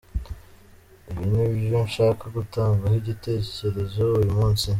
Ibi ni byo nshaka gutangaho igitekerezo uyu munsi.